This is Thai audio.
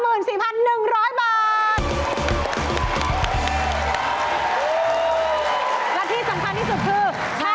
และที่สำคัญที่สุดคือ